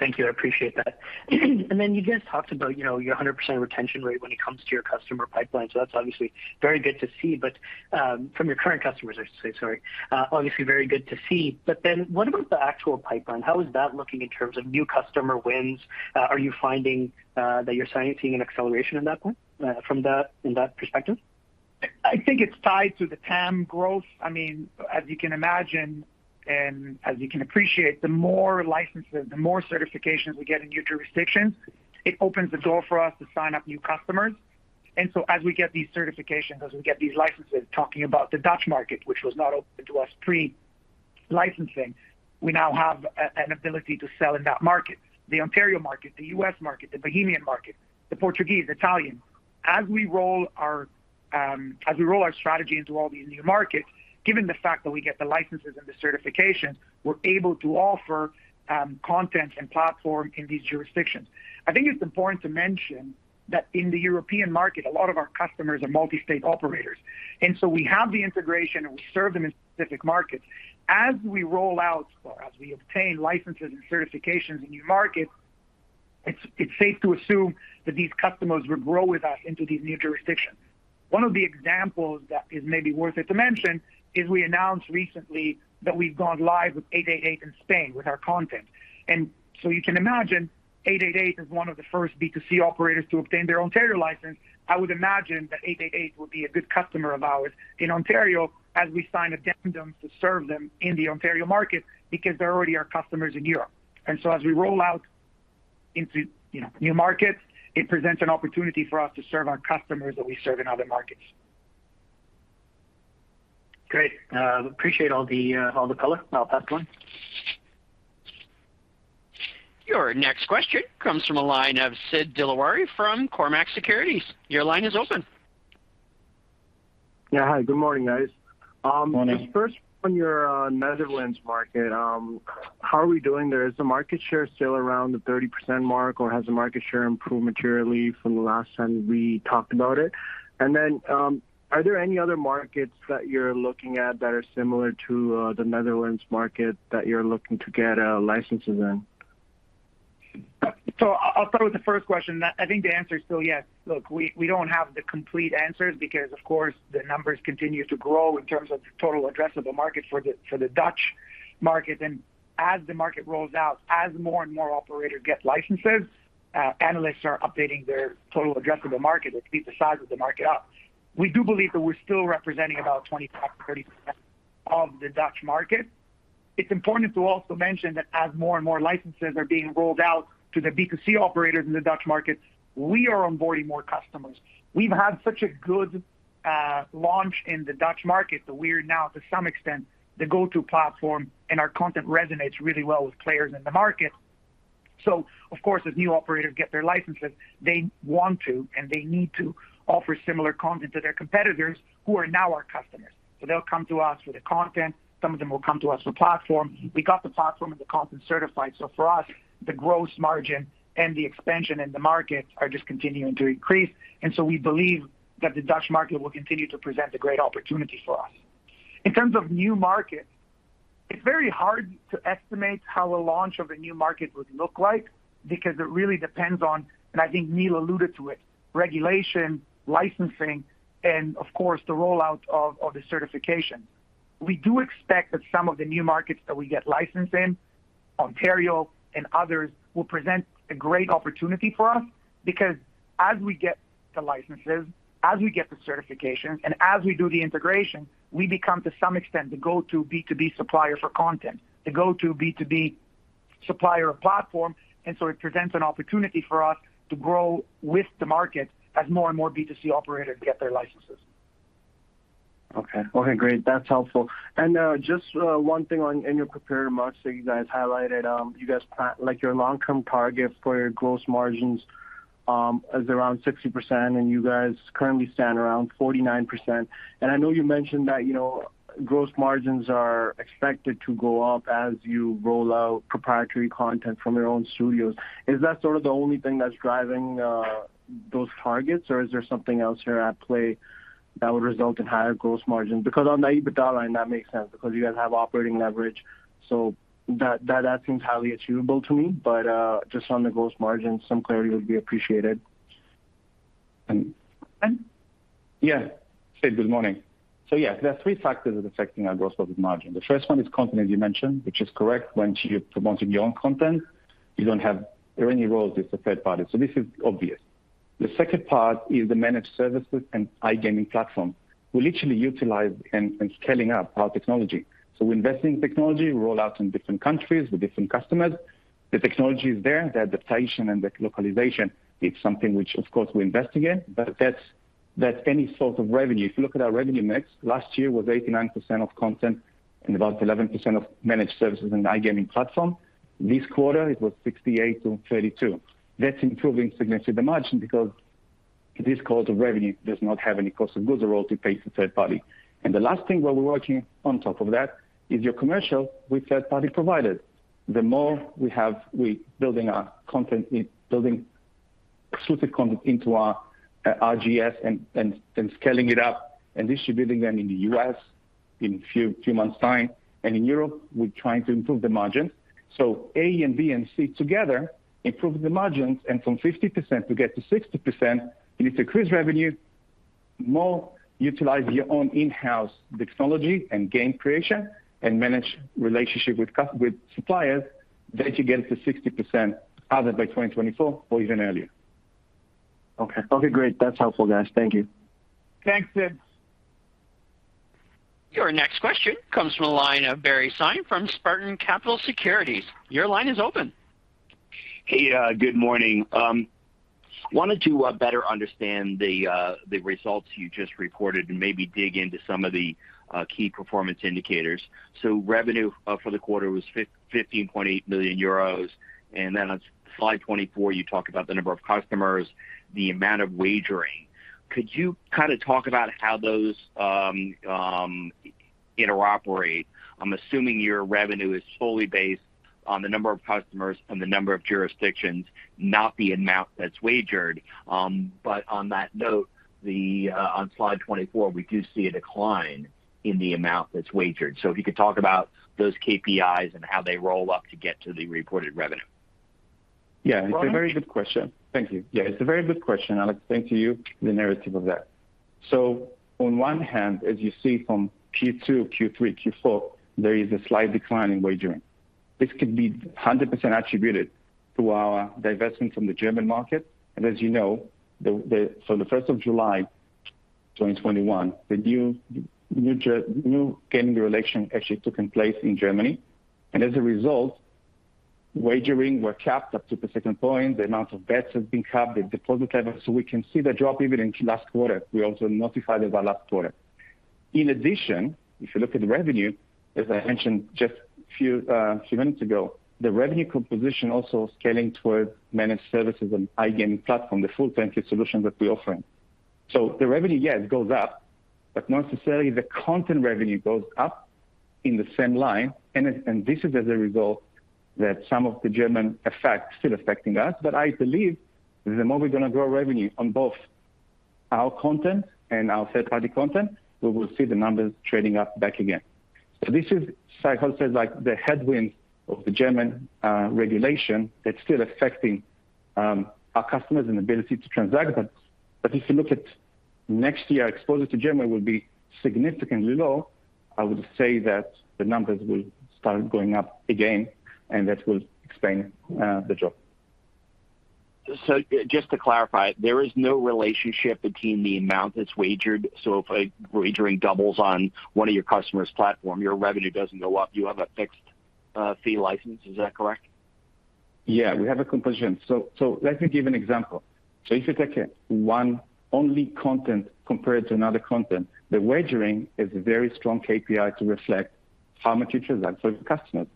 Thank you. I appreciate that. Then you guys talked about, you know, your 100% retention rate when it comes to your customer pipeline, so that's obviously very good to see. From your current customers, I should say, sorry, obviously very good to see. What about the actual pipeline? How is that looking in terms of new customer wins? Are you finding that you're seeing an acceleration in that point from that, in that perspective? I think it's tied to the TAM growth. I mean, as you can imagine and as you can appreciate, the more licenses, the more certifications we get in new jurisdictions, it opens the door for us to sign up new customers. As we get these certifications, as we get these licenses, talking about the Dutch market, which was not open to us pre-licensing, we now have an ability to sell in that market. The Ontario market, the U.S. market, the Bohemian market, the Portuguese, Italian. As we roll our strategy into all these new markets, given the fact that we get the licenses and the certifications, we're able to offer content and platform in these jurisdictions. I think it's important to mention that in the European market, a lot of our customers are multi-state operators. We have the integration, and we serve them in specific markets. As we roll out or as we obtain licenses and certifications in new markets, it's safe to assume that these customers will grow with us into these new jurisdictions. One of the examples that is maybe worth it to mention is we announced recently that we've gone live with 888 in Spain with our content. You can imagine 888 is one of the first B2C operators to obtain their Ontario license. I would imagine that 888 would be a good customer of ours in Ontario as we sign addendums to serve them in the Ontario market because they're already our customers in Europe. As we roll out into, you know, new markets, it presents an opportunity for us to serve our customers that we serve in other markets. Great. I appreciate all the color on that one. Your next question comes from a line of Sid Dilawari from Cormark Securities. Your line is open. Yeah. Hi, good morning, guys. Morning. First on your Netherlands market, how are we doing there? Is the market share still around the 30% mark, or has the market share improved materially from the last time we talked about it? Are there any other markets that you're looking at that are similar to the Netherlands market that you're looking to get licenses in? I'll start with the first question. I think the answer is still yes. Look, we don't have the complete answers because of course, the numbers continue to grow in terms of total addressable market for the Dutch market. As the market rolls out, as more and more operators get licenses, analysts are updating their total addressable market. It boosts the size of the market up. We do believe that we're still representing about 25%-30% of the Dutch market. It's important to also mention that as more and more licenses are being rolled out to the B2C operators in the Dutch market, we are onboarding more customers. We've had such a good launch in the Dutch market that we're now, to some extent, the go-to platform, and our content resonates really well with players in the market. Of course, as new operators get their licenses, they want to and they need to offer similar content to their competitors who are now our customers. They'll come to us for the content, some of them will come to us for platform. We got the platform and the content certified, so for us, the gross margin and the expansion in the market are just continuing to increase. We believe that the Dutch market will continue to present a great opportunity for us. In terms of new markets, it's very hard to estimate how a launch of a new market would look like because it really depends on, and I think Neal alluded to it, regulation, licensing, and of course, the rollout of the certification. We do expect that some of the new markets that we get licensed in, Ontario and others, will present a great opportunity for us. Because as we get the licenses, as we get the certifications, and as we do the integration, we become, to some extent, the go-to B2B supplier for content, the go-to B2B supplier of platform. It presents an opportunity for us to grow with the market as more and more B2C operators get their licenses. Okay. Okay, great. That's helpful. Just one thing in your prepared remarks that you guys highlighted, like, your long-term target for your gross margins is around 60%, and you guys currently stand around 49%. I know you mentioned that, you know, gross margins are expected to go up as you roll out proprietary content from your own studios. Is that sort of the only thing that's driving those targets, or is there something else here at play that would result in higher gross margins? Because on the EBITDA line that makes sense because you guys have operating leverage, so that seems highly achievable to me. Just on the gross margin, some clarity would be appreciated. Yeah. Sid, good morning. Yeah, there are three factors that are affecting our gross profit margin. The first one is content, as you mentioned, which is correct. Once you're promoting your own content, you don't have any royalties to third party, so this is obvious. The second part is the managed services and iGaming platform. We literally utilize and scaling up our technology. We invest in technology, roll out in different countries with different customers. The technology is there, the adaptation and the localization is something which, of course, we invest again. That's any source of revenue. If you look at our revenue mix, last year was 89% of content and about 11% of managed services and iGaming platform. This quarter it was 68%-32%. That's improving significantly the margin because this cost of revenue does not have any cost of goods or royalties paid to third party. The last thing where we're working on top of that is your commercial with third party providers. The more we have with building our content building exclusive content into our RGS and scaling it up and distributing them in the U.S. in few months' time, and in Europe, we're trying to improve the margins. A and B and C together improve the margins, and from 50% to get to 60%, you need to increase revenue, more utilize your own in-house technology and game creation, and manage relationship with suppliers that you get to 60% either by 2024 or even earlier. Okay. Okay, great. That's helpful, guys. Thank you. Thanks, Sid. Your next question comes from the line of Barry Sine from Spartan Capital Securities. Your line is open. Hey, good morning. Wanted to better understand the results you just reported and maybe dig into some of the key performance indicators. Revenue for the quarter was 15.8 million euros, and then on slide 24 you talk about the number of customers, the amount of wagering. Could you kinda talk about how those interoperate? I'm assuming your revenue is solely based on the number of customers and the number of jurisdictions, not the amount that's wagered. On that note, on slide 24, we do see a decline in the amount that's wagered. If you could talk about those KPIs and how they roll up to get to the reported revenue. It's a very good question. Thank you. I'd like to take you through the narrative of that. On one hand, as you see from Q2, Q3, Q4, there is a slight decline in wagering. This could be 100% attributed to our divestment from the German market. As you know, the first of July 2021, the new gaming regulation actually took place in Germany. As a result, wagering were capped up to the certain point. The amount of bets have been capped, the deposit limits. We can see the drop even in last quarter. We also noticed it in last quarter. In addition, if you look at the revenue, as I mentioned just a few minutes ago, the revenue composition also scaling towards managed services and iGaming platform, the full turnkey solution that we're offering. The revenue, yes, goes up, but not necessarily the content revenue goes up in the same line. This is as a result that some of the German effect still affecting us. I believe the more we're gonna grow revenue on both our content and our third party content, we will see the numbers trending back up again. This is cycles, like the headwind of the German regulation that's still affecting our customers and ability to transact with them. If you look at next year, our exposure to Germany will be significantly low. I would say that the numbers will start going up again, and that will explain the drop. Just to clarify, there is no relationship between the amount that's wagered. If wagering doubles on one of your customer's platform, your revenue doesn't go up. You have a fixed fee license. Is that correct? Yeah, we have a conclusion. Let me give an example. If you take a one only content compared to another content, the wagering is a very strong KPI to reflect how much you transact with customers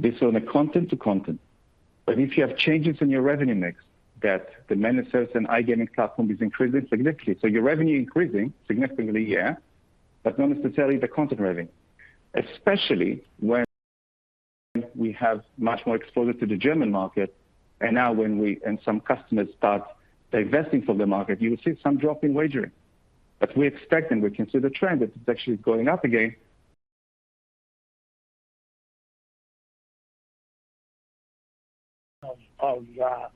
based on a content to content. If you have changes in your revenue mix that the managed service and iGaming platform is increasing significantly, your revenue increasing significantly, yeah, but not necessarily the content revenue, especially when we have much more exposure to the German market. Now when some customers start divesting from the market, you will see some drop in wagering. We expect and we can see the trend that it's actually going up again.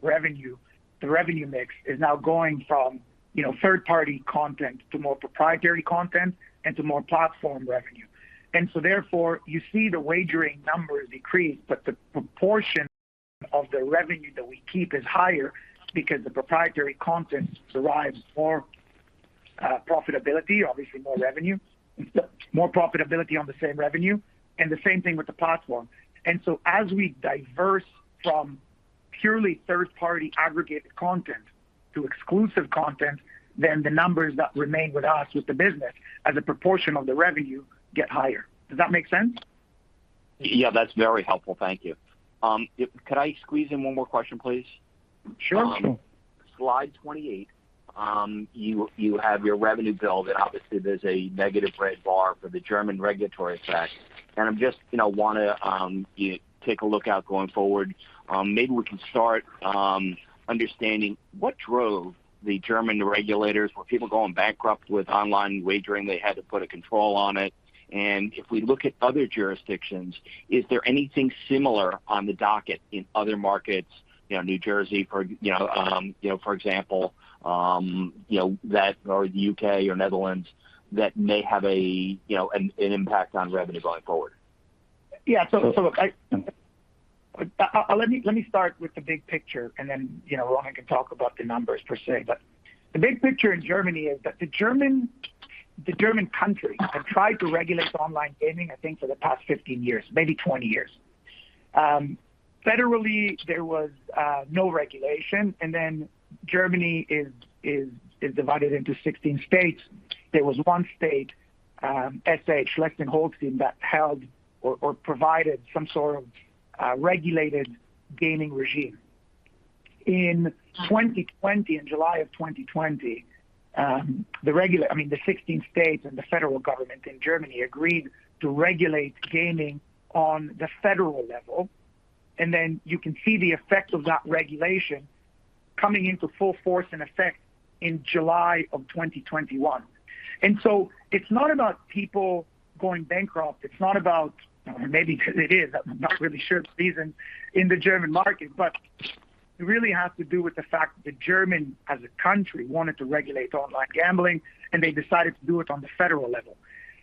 Of revenue. The revenue mix is now going from, you know, third-party content to more proprietary content and to more platform revenue. You see the wagering numbers decrease, but the proportion of the revenue that we keep is higher because the proprietary content derives more profitability, obviously more revenue, more profitability on the same revenue, and the same thing with the platform. As we diversify from purely third-party aggregated content to exclusive content, then the numbers that remain with us with the business as a proportion of the revenue get higher. Does that make sense? Yeah, that's very helpful. Thank you. If I can squeeze in one more question, please? Sure. Slide 28, you have your revenue build, and obviously there's a negative red bar for the German regulatory effect. I'm just, you know, wanna take a look out going forward. Maybe we can start understanding what drove the German regulators. Were people going bankrupt with online wagering, they had to put a control on it? If we look at other jurisdictions, is there anything similar on the docket in other markets, you know, New Jersey for, you know, for example, you know, that or the U.K. or Netherlands that may have a, you know, an impact on revenue going forward? Look, let me start with the big picture, and then, you know, Ron can talk about the numbers per se. The big picture in Germany is that the German country have tried to regulate online gaming, I think for the past 15 years, maybe 20 years. Federally, there was no regulation. Germany is divided into 16 states. There was one state, S.H., Schleswig-Holstein, that held or provided some sort of regulated gaming regime. In 2020, in July of 2020, the 16 states and the federal government in Germany agreed to regulate gaming on the federal level. You can see the effect of that regulation coming into full force in effect in July of 2021. It's not about people going bankrupt. Or maybe it is. I'm not really sure the reason in the German market, but it really has to do with the fact that the German, as a country, wanted to regulate online gambling, and they decided to do it on the federal level.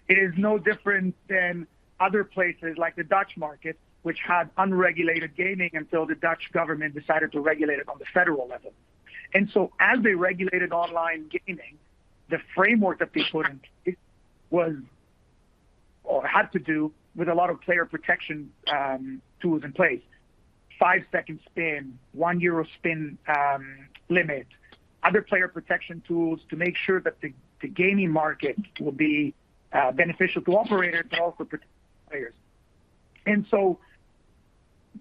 It is no different than other places like the Dutch market, which had unregulated gaming until the Dutch government decided to regulate it on the federal level. As they regulated online gaming, the framework that they put in was or had to do with a lot of player protection tools in place. Five-second spin, 1 EUR spin limit, other player protection tools to make sure that the gaming market will be beneficial to operators but also protect players.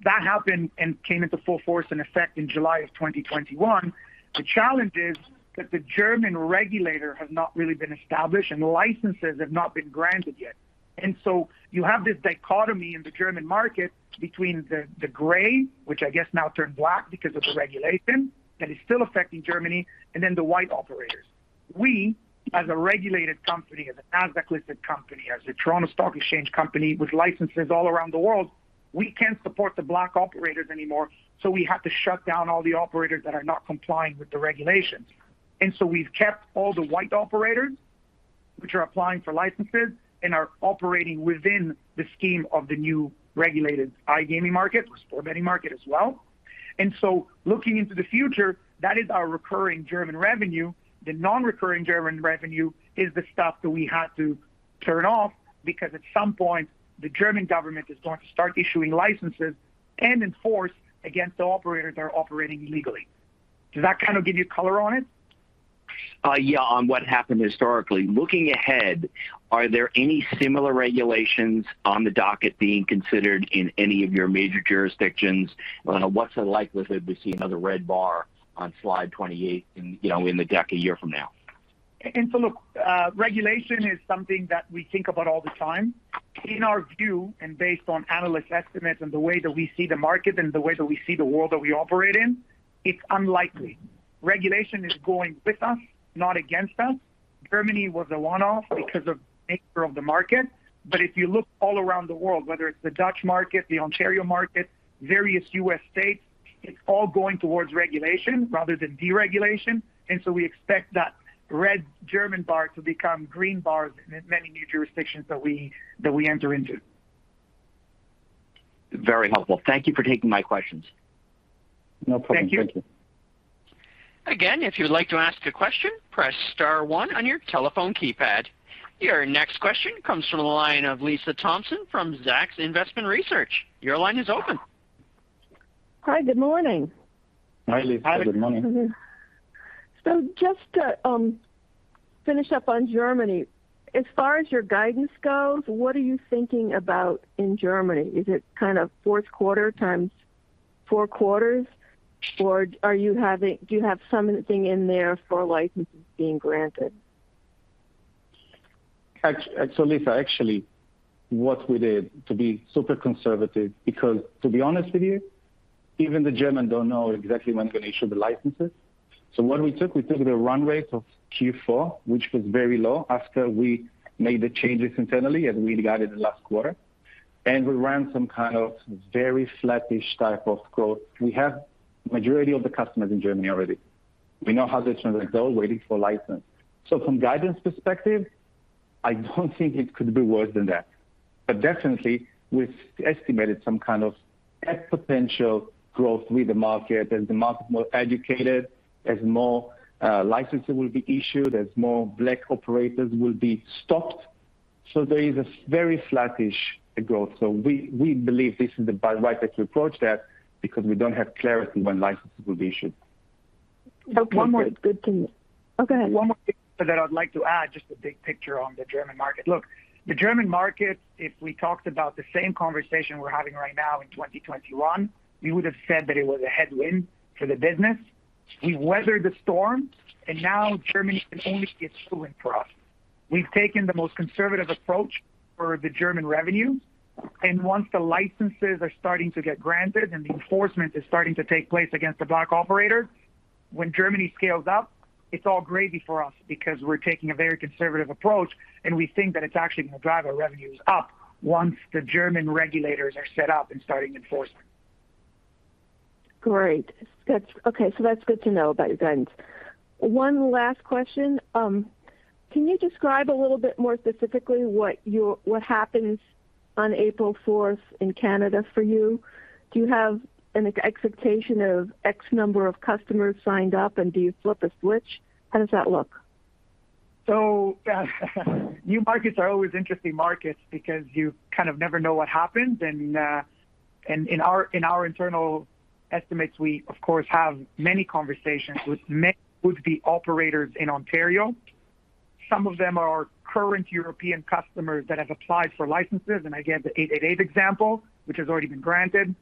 That happened and came into full force in effect in July 2021. The challenge is that the German regulator has not really been established, and licenses have not been granted yet. You have this dichotomy in the German market between the gray, which I guess now turned black because of the regulation that is still affecting Germany, and then the white operators. We, as a regulated company, as a Nasdaq-listed company, as a Toronto Stock Exchange company with licenses all around the world, we can't support the black operators anymore, so we have to shut down all the operators that are not complying with the regulations. We've kept all the white operators which are applying for licenses and are operating within the scheme of the new regulated iGaming market, the sports betting market as well. Looking into the future, that is our recurring German revenue. The non-recurring German revenue is the stuff that we had to turn off because at some point, the German government is going to start issuing licenses and enforce against the operators that are operating illegally. Does that kind of give you color on it? Yeah, on what happened historically. Looking ahead, are there any similar regulations on the docket being considered in any of your major jurisdictions? What's the likelihood we see another red bar on slide 28 in, you know, in the deck a year from now? Look, regulation is something that we think about all the time. In our view, and based on analyst estimates and the way that we see the market and the way that we see the world that we operate in, it's unlikely. Regulation is going with us, not against us. Germany was a one-off because of nature of the market. If you look all around the world, whether it's the Dutch market, the Ontario market, various U.S. states, it's all going towards regulation rather than deregulation. We expect that red German bar to become green bars in many new jurisdictions that we enter into. Very helpful. Thank you for taking my questions. No problem. Thank you. Again, if you would like to ask a question, press star one on your telephone keypad. Your next question comes from the line of Lisa Thompson from Zacks Investment Research. Your line is open. Hi. Good morning. Hi, Lisa. Good morning. Just to finish up on Germany, as far as your guidance goes, what are you thinking about in Germany? Is it kind of fourth quarter times four quarters or do you have something in there for licenses being granted? Lisa, actually, what we did to be super conservative because to be honest with you, even the Germans don't know exactly when they're gonna issue the licenses. What we took the revenues of Q4, which was very low after we made the changes internally, as we guided last quarter. We ran some kind of very flattish type of growth. We have majority of the customers in Germany already. We know how they turn over waiting for license. From guidance perspective, I don't think it could be worse than that, but definitely, we've estimated some kind of exponential growth with the market as the market more educated, as more licenses will be issued, as more black operators will be stopped. There is a very flattish growth. We believe this is the right way to approach that because we don't have clarity when licenses will be issued. Oh, go ahead. One more thing that I would like to add, just the big picture on the German market. Look, the German market, if we talked about the same conversation we're having right now in 2021, we would have said that it was a headwind for the business. We weathered the storm and now Germany can only be a tailwind for us. We've taken the most conservative approach for the German revenue, and once the licenses are starting to get granted and the enforcement is starting to take place against the black operators, when Germany scales up, it's all gravy for us because we're taking a very conservative approach, and we think that it's actually gonna drive our revenues up once the German regulators are set up and starting enforcement. Great. That's good to know about your guidance. One last question. Can you describe a little bit more specifically what happens on April 4th in Canada for you? Do you have an expectation of X number of customers signed up, and do you flip a switch? How does that look? New markets are always interesting markets because you kind of never know what happens. In our internal estimates, we, of course, have many conversations with the operators in Ontario. Some of them are current European customers that have applied for licenses, and again, the 888 example, which has already been granted.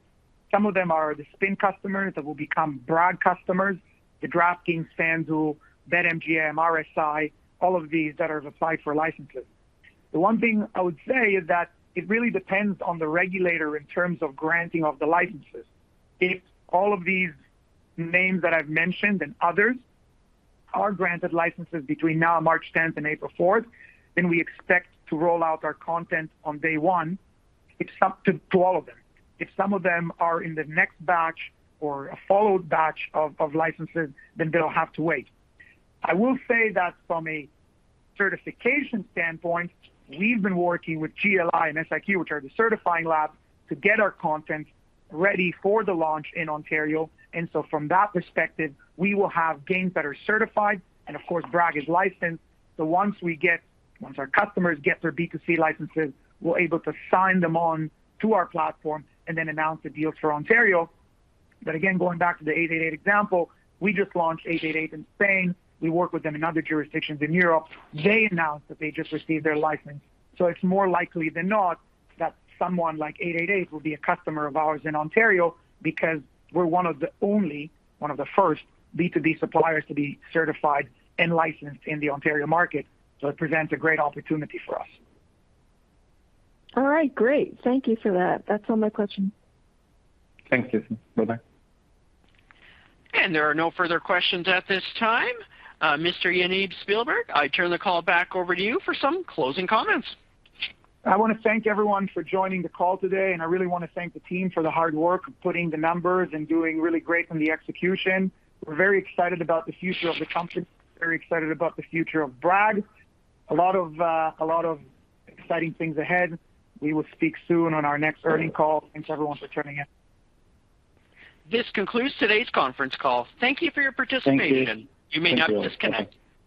Some of them are the Spin customers that will become Bragg customers, the DraftKings, FanDuel, BetMGM, RSI, all of these that have applied for licenses. The one thing I would say is that it really depends on the regulator in terms of granting of the licenses. If all of these names that I've mentioned and others are granted licenses between now and March 10th and April 4th, then we expect to roll out our content on day one. It's up to all of them. If some of them are in the next batch or a following batch of licenses, then they'll have to wait. I will say that from a certification standpoint, we've been working with GLI and SIQ, which are the certifying labs, to get our content ready for the launch in Ontario. From that perspective, we will have games that are certified, and of course, Bragg is licensed. Once our customers get their B2C licenses, we're able to sign them on to our platform and then announce the deals for Ontario. Again, going back to the 888 example, we just launched 888 in Spain. We work with them in other jurisdictions in Europe. They announced that they just received their license. It's more likely than not that someone like 888 will be a customer of ours in Ontario because we're one of the first B2B suppliers to be certified and licensed in the Ontario market. It presents a great opportunity for us. All right. Great. Thank you for that. That's all my questions. Thank you. Bye-bye. There are no further questions at this time. Mr. Yaniv Spielberg, I turn the call back over to you for some closing comments. I wanna thank everyone for joining the call today, and I really wanna thank the team for the hard work of putting the numbers and doing really great on the execution. We're very excited about the future of the company. Very excited about the future of Bragg. A lot of exciting things ahead. We will speak soon on our next earnings call. Thanks everyone for tuning in. This concludes today's conference call. Thank you for your participation. Thank you. You may now disconnect.